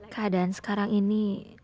keadaan sekarang ini